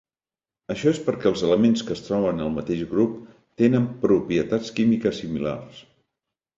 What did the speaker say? Això és perquè els elements que es troben al mateix grup tenen propietats químiques similars.